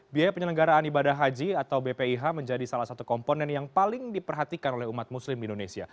biaya penyelenggaraan ibadah haji atau bpih menjadi salah satu komponen yang paling diperhatikan oleh umat muslim di indonesia